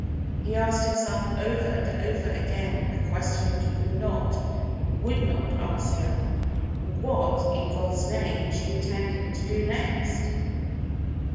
He asked himself over and over again a question he could not, would not ask her what, in God's name, she intended to do next?